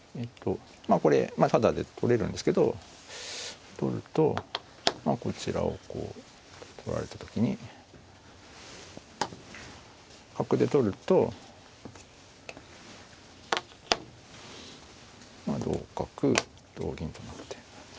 まあこれタダで取れるんですけど取るとこちらをこう取られた時に角で取ると同角同銀となって。